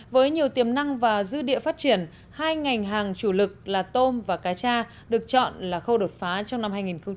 với nhiều tiềm năng và dư địa phát triển hai ngành hàng chủ lực là tôm và cá cha được chọn là khâu đột phá trong năm hai nghìn hai mươi